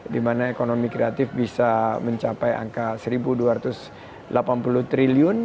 di mana ekonomi kreatif bisa mencapai angka rp satu dua ratus delapan puluh triliun